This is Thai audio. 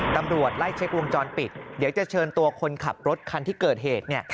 ตำรวจไล่เช็ควงจรปิดเดี๋ยวจะเชิญตัวคนขับรถคันที่เกิดเหตุ